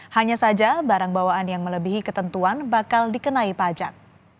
hanya saja barang bawaan yang melebihi ketentuan bakal dikenai pajak